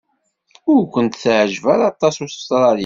Ad kent-teɛjeb aṭas Ustṛalya.